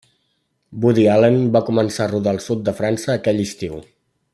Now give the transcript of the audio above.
Woody Allen va començar a rodar al sud de França aquell estiu.